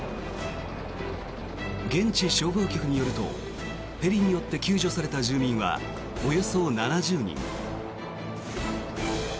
現地消防局によるとヘリによって救助された住民はおよそ７０人。